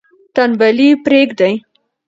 تنبلي پریږدئ.